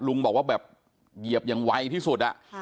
ลุงบอกว่าแบบเหยียบอย่างไวที่สุด